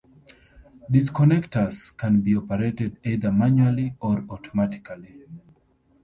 Disconnectors can be operated either manually or automatically.